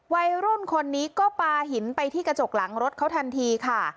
วัยรุ่นคนนี้ก็ปลาหินไปที่กระจกหลังรถเขาทันทีค่ะ